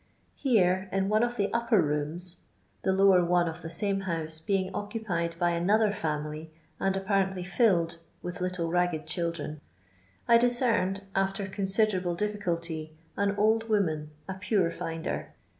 Here in one of the upper rooms (the lower one of the same house being occupied by another family and api»arently filled with little mptfcd children), I discerned, after considcnible difficulty, an old woman, a Pure finder.